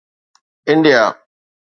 India